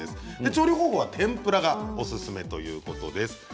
調理方法は、天ぷらがおすすめということです。